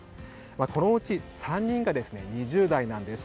このうち３人が２０代なんです。